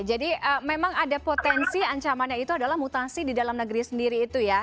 jadi memang ada potensi ancamannya itu adalah mutasi di dalam negeri sendiri itu ya